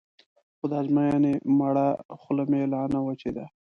خو د ازموینې مړه خوله مې لا نه وچېده.